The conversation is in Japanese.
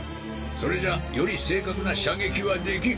それじゃより正確な射撃はできん。